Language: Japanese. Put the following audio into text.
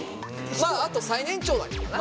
まああと最年長だからな。